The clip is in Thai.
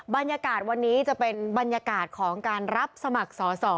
บรรยากาศวันนี้จะเป็นบรรยากาศของการรับสมัครสอสอ